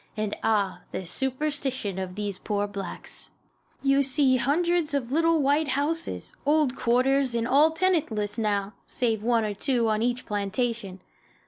And, ah, the superstition of these poor blacks! You see hundreds of little white houses, old "quarters," and all tenantless now, save one or two on each plantation.